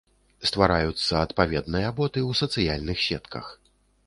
Ствараюцца адпаведныя боты ў сацыяльных сетках.